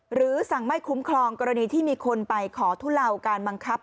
หรือสั่งไม่คุ้มครองกรณีที่มีคนไปขอทุเลาการบังคับ